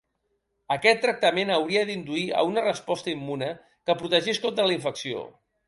Aquest tractament hauria d’induir a una resposta immune que protegís contra la infecció.